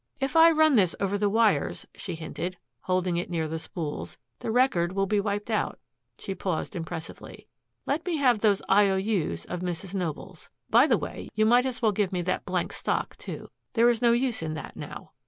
"If I run this over the wires," she hinted, holding it near the spools, "the record will be wiped out." She paused impressively. "Let me have those I O U's of Mrs. Noble's. By the way, you might as well give me that blank stock, too. There is no use in that, now."